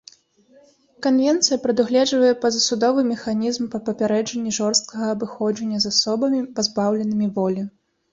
Канвенцыя прадугледжвае пазасудовы механізм па папярэджанні жорсткага абыходжання з асобамі, пазбаўленымі волі.